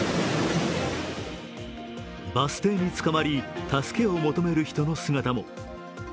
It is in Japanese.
バス停につかまり、助けを求める人の姿も。